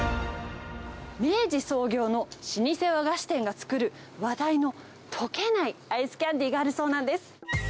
明治創業の老舗和菓子店が作る、話題のとけないアイスキャンディーがあるそうなんです。